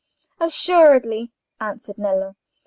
"Assuredly," answered Nello.